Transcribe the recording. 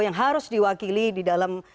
yang harus diwakili di dalam